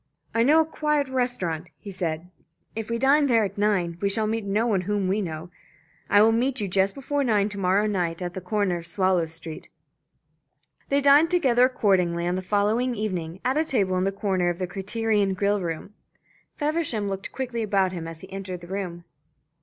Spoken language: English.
"I know a quiet restaurant," he said. "If we dine there at nine, we shall meet no one whom we know. I will meet you just before nine to morrow night at the corner of Swallow Street." They dined together accordingly on the following evening, at a table in the corner of the Criterion grill room. Feversham looked quickly about him as he entered the room.